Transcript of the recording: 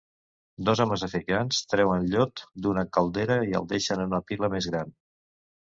Dos homes africans treuen llot d'una caldera i el deixen en una pila més gran.